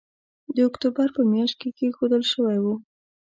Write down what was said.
د اکتوبر په مياشت کې کېښودل شوی وو